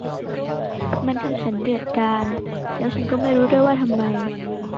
มันทำฉันเดือดดาลแล้วฉันก็ไม่รู้ด้วยว่าทำไม